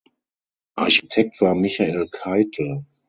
Architekt war Michael Keitel.